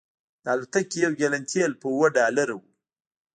د الوتکې یو ګیلن تیل په اوه ډالره و